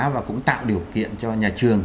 và cũng tạo điều kiện cho nhà trường